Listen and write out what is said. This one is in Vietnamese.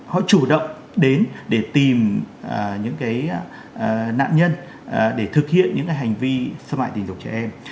họ chủ động đến để tìm những nạn nhân để thực hiện những hành vi xâm hại tình dục trẻ em